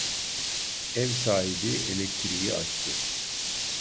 Ev sahibi elektriği açtı.